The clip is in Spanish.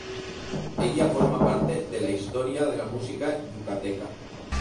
Ella forma parte de la historia de la música Yucateca.